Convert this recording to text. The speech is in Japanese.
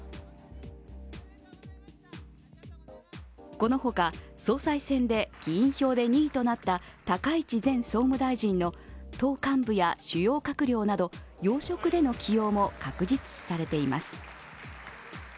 このほか、総裁選で議員票で２位となった高市前総務大臣の党幹部や主要閣僚など要職での起用も確実視されています。